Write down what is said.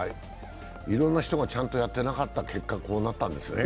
いろんな人がちゃんとやってなかった結果、こうなったんですね。